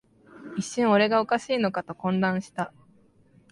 一瞬、俺がおかしいのかと混乱した